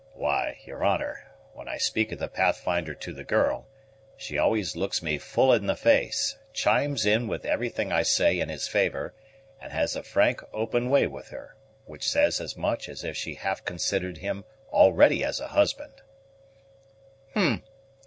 "Why, your honor, when I speak of the Pathfinder to the girl, she always looks me full in the face; chimes in with everything I say in his favor, and has a frank open way with her, which says as much as if she half considered him already as a husband."